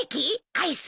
アイス？